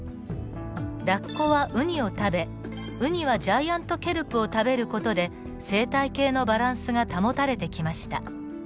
ラッコはウニを食べウニはジャイアントケルプを食べる事で生態系のバランスが保たれてきました。